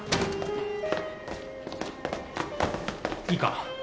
いいか？